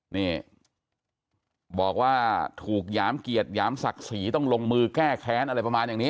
นี่บอกว่าถูกหยามเกียรติหยามศักดิ์ศรีต้องลงมือแก้แค้นอะไรประมาณอย่างนี้